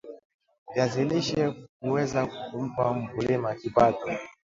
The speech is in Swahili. viazi lishe huweza kumpa mkulima kipato